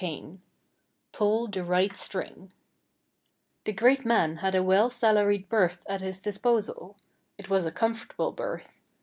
XVIII PULL THE RIGHT STRING THE great man had a well salaried berth at his dis posal. It was a comfortable berth.